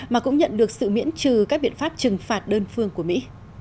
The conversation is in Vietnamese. mà cũng nhận được sự miễn trừ các biện pháp trừng phạt đơn phương của mỹ